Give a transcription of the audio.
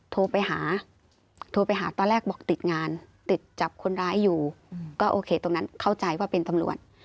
โทรไปหาโทรไปหาตอนแรกบอกติดงานติดจับคนร้ายอยู่ก็โอเคตรงนั้นเข้าใจว่าเป็นตำรวจ